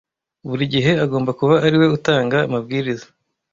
Buri gihe agomba kuba ariwe utanga amabwiriza.